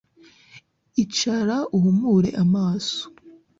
Icara uhumure amaso